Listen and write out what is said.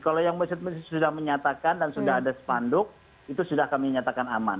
kalau yang masjid masjid sudah menyatakan dan sudah ada sepanduk itu sudah kami nyatakan aman